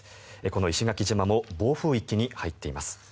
この石垣島も暴風域に入っています。